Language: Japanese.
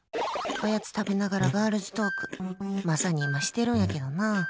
おやつ食べながらガールズトークまさに今してるんやけどな。